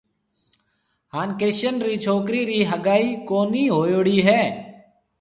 هانَ ڪرشن رِي ڇوڪرِي رِي هگائي ڪونِي هوئيوڙِي هيَ۔